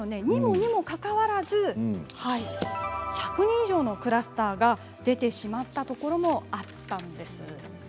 にもかかわらず１００人以上のクラスターが出てしまったところもあったんです。